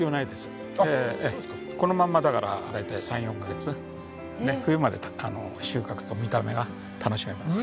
このまんまだから大体３４か月冬まで収穫と見た目が楽しめます。